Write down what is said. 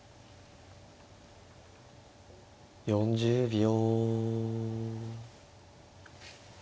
４０秒。